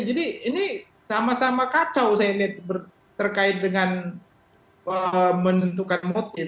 jadi ini sama sama kacau saya lihat terkait dengan menentukan motif